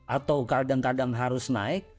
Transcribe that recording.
atau kadang kadang harus naik